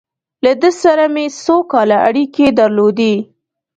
له ده سره مې څو کاله اړیکې درلودې.